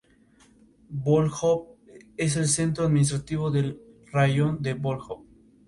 Una de las actividades deportivas del Parque más conocidas es la práctica del barranquismo.